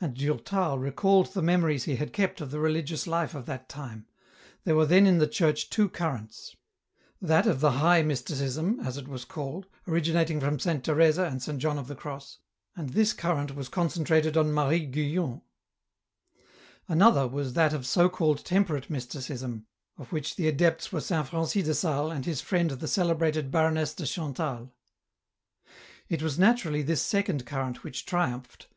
And Durtal recalled the memories he had kept of the religious life of that time. There were then in the Church two currents : That of the high Mysticism, as it was called, originating from Saint Teresa and Saint John of the Cross ; and this current was concentrated on Marie Guyon. And another that of so called temperate Mysticism, ot which the adepts were Saint Francis de Sales and his friend the celebrated Baroness de Chantal. It was naturally this second current which triumphed.